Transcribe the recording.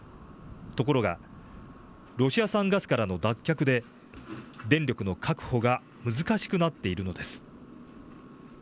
ところがロシア産ガスからの脱却で電力の確保が難しくなっているのです。